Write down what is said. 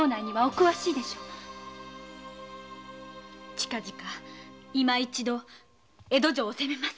近々今一度江戸城を攻めます。